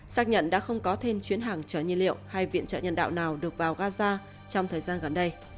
xác nhận đã không có thêm chuyến hàng chở nhân liệu hay viện trợ nhân đạo nào được vào gaza trong thời gian gần đây